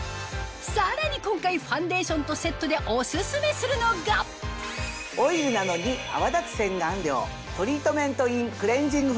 さらに今回ファンデーションとセットでオススメするのがオイルなのに泡立つ洗顔料。